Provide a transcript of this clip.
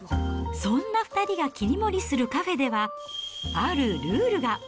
そんな２人が切り盛りするカフェでは、あるルールが。